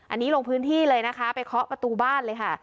อันนี้ลงพื้นที่เลยนะคะไปเคาะประตูบ้านเลยค่ะ